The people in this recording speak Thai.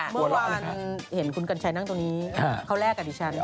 เมื่อวานเห็นคุณกัญชัยนั่งตรงนี้เขาแลกกับดิฉัน